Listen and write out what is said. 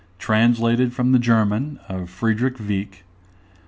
Translated from the German OF FRIEDRICH WIECK.